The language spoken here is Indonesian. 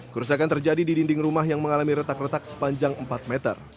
kerusakan terjadi di dinding rumah yang mengalami retak retak sepanjang empat meter